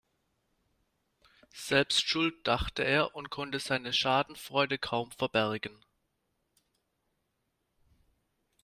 Selbst schuld, dachte er und konnte seine Schadenfreude kaum verbergen.